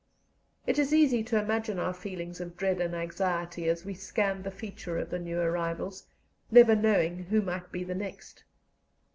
It is easy to imagine our feelings of dread and anxiety as we scanned the features of the new arrivals, never knowing who might be the next.